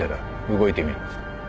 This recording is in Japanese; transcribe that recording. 動いてみろ。